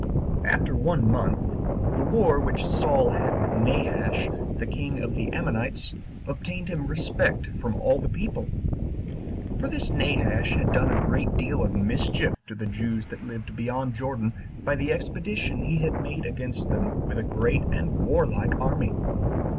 1. After one month, the war which Saul had with Nahash, the king of the Ammonites, obtained him respect from all the people; for this Nahash had done a great deal of mischief to the Jews that lived beyond Jordan by the expedition he had made against them with a great and warlike army.